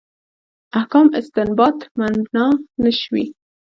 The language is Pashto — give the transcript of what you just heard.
احکام استنباط مبنا نه شوي.